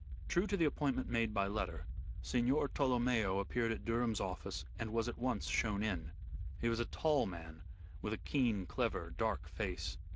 True to the appointment made by letter, Signor Tolomeo appeared at Durham's office and was at once shown in. He was a tall man with a keen, clever, dark face.